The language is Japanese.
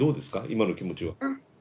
今の気持ちは。